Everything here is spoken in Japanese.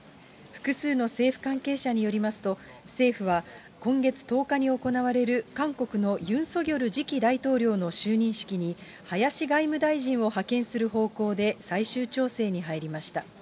複数の政府関係者によりますと、政府は、今月１０日に行われる韓国のユン・ソギョル次期大統領の就任式に、林外務大臣を派遣する方向で、最終調整に入りました。